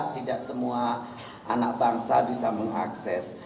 tidak semua anak bangsa bisa mengakses